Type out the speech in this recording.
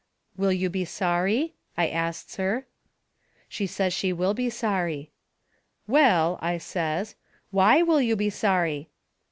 "Will you be sorry?" I asts her. She says she will be sorry. "Well," I says, "WHY will you be sorry?"